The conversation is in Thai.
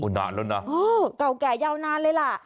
อุดหนาแล้วน่ะเฮ้อเก่าแก่ยาวนานเลยล่ะ